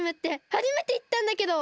はじめていったんだけど！